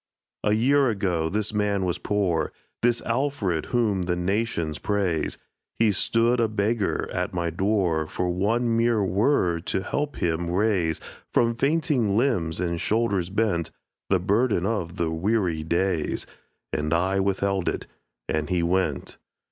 A year ago this man was poor, This Alfred whom the nations praise; He stood a beggar at my door For one mere word to help him raise From fainting limbs and shoulders bent The burden of the weary days; And I withheld it and he went.